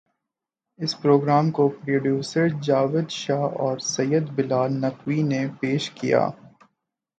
اس programme کو producer Javed Shah اور Syed Bilal Naqvi نے پیش کیا